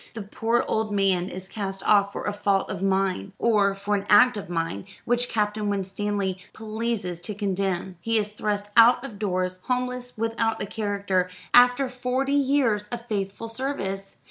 The poor old man is cast off for a fault of mine; or for an act of mine, which Captain Winstanley pleases to condemn. He is thrust out of doors, homeless, without a character, after forty years of faithful service.